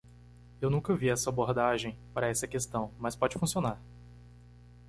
Eu nunca vi essa abordagem para essa questão?, mas pode funcionar.